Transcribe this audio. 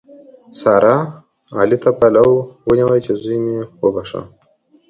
سارا؛ علي ته پلو ونیو چې زوی مې وبښه.